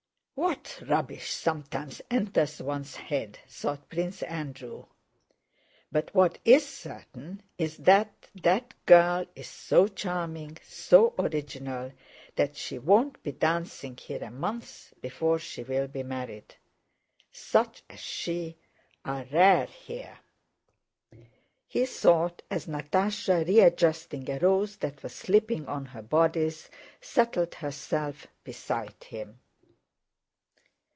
"What rubbish sometimes enters one's head!" thought Prince Andrew, "but what is certain is that that girl is so charming, so original, that she won't be dancing here a month before she will be married.... Such as she are rare here," he thought, as Natásha, readjusting a rose that was slipping on her bodice, settled herself beside him.